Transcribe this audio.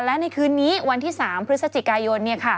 และในคืนนี้วันที่๓พฤศจิกายน